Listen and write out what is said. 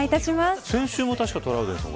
先週も確かトラウデンさん